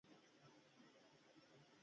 په کلي کې ژوند ارام او ډاډمن وي.